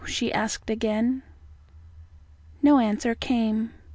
she asked again. No answer came.